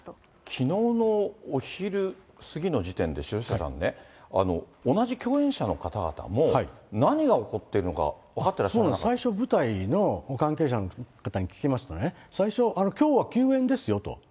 きのうのお昼過ぎの時点で、城下さんね、同じ共演者の方々も、何が起こっているのか分かってらっしゃらな最初、舞台の関係者の方に聞きますとね、最初、きょうは休演ですよと。